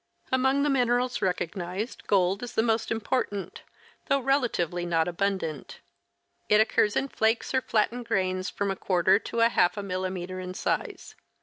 Among the minerals recognized, gold is the most important, though rela tively not abundant. It occurs in flakes or flattened grains fi'om a quarter to a half of a millimeter in size.